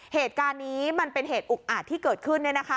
เหตุการณ์นี้มันเป็นเหตุอุกอาจที่เกิดขึ้น